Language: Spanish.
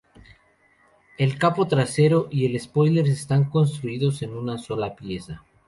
El capó trasero y el spoiler están construidos en una sola pieza.